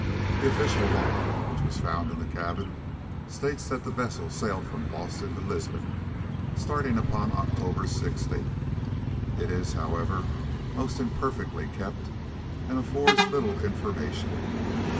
The official log, which was found in the cabin, states that the vessel sailed from Boston to Lisbon, starting upon October 16. It is, however, most imperfectly kept, and affords little information.